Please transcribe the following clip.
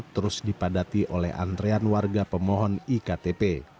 terus dipadati oleh antrean warga pemohon iktp